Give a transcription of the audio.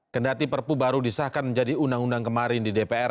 kendati perpu baru disahkan menjadi undang undang kemarin di dpr